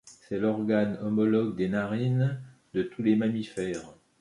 C'est l'organe homologue des narines de tous les mammifères.